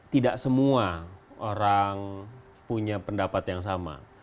tidak semua orang punya pendapat yang sama